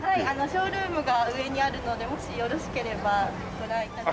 ショールームが上にあるのでもしよろしければご覧頂けます。